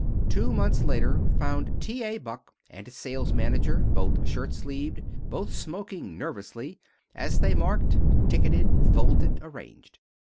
Two months later found T. A. Buck and his sales manager, both shirt sleeved, both smoking nervously, as they marked, ticketed, folded, arranged.